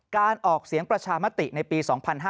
การออกเสียงประชามติในปี๒๕๕๙